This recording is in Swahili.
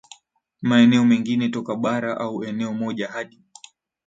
maeneo mengine toka bara au eneo moja hadi